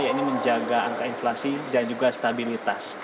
yaitu menjaga angka inflasi dan juga stabilitas